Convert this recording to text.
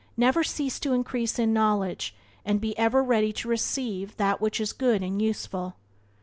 Never cease to increase in knowledge, and be ever ready to receive that which is good and useful.